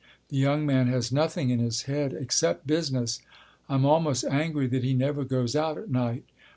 The young man has nothing in his head except business. I'm almost angry that he never goes out at night.